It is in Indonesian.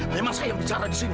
memang saya yang bicara disini